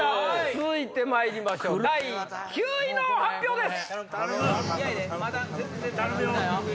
続いてまいりましょう第９位の発表です！